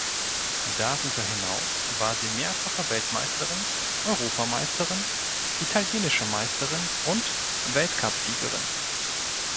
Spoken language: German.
Darüber hinaus war sie mehrfache Weltmeisterin, Europameisterin, Italienische Meisterin und Weltcup-Siegerin.